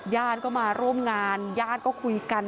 ญาติก็มาร่วมงานญาติก็คุยกัน